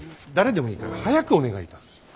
誰でもいいから早くお願いいたす。